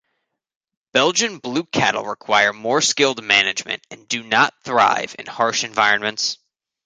Belgian Blue cattle require more skilled management and do not thrive in harsh environments.